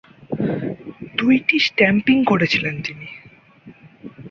দুইটি স্ট্যাম্পিং করেছিলেন তিনি।